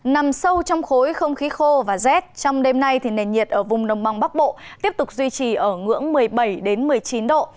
nằm sâu trong khối không khí khô và rét trong đêm nay thì nền nhiệt ở vùng đồng bằng bắc bộ tiếp tục duy trì ở ngưỡng một mươi bảy một mươi chín độ